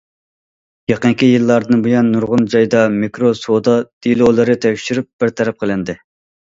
يېقىنقى يىللاردىن بۇيان، نۇرغۇن جايدا مىكرو سودا دېلولىرى تەكشۈرۈپ بىر تەرەپ قىلىندى.